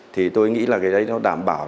thì tôi nghĩ là cái đấy nó đảm bảo